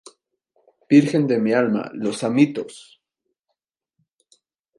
¡ virgen de mi alma! ¡ los amitos!